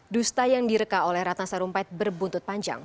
dusta yang direka oleh ratna sarumpait berbuntut panjang